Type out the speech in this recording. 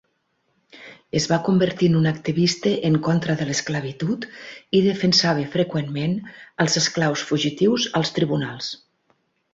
Es va convertir en un activista en contra de l'esclavitud i defensava freqüentment els esclaus fugitius als tribunals.